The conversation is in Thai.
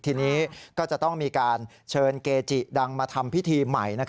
ทีนี้ก็จะต้องมีการเชิญเกจิดังมาทำพิธีใหม่